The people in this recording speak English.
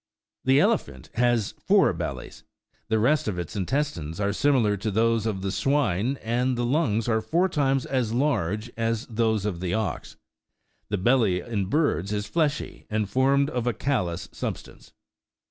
The elephant has four93 bellies ; the rest of its intestines are similar to those of the swine, and the lungs are four times as large as those of the ox. The belly in birds is fleshy, and formed of a callous substance.